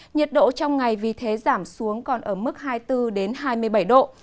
nhiệt độ trong ngày vì thế giảm xuống còn ở mức hai mươi bốn hai mươi bảy độ